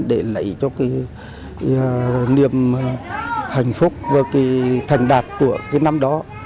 để lấy cho cái niềm hạnh phúc và cái thành đạt của cái năm đó